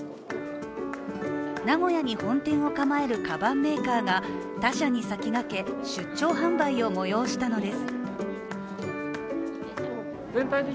名古屋に本店を構えるかばんメーカーが他社に先駆け、出張販売を催したのです。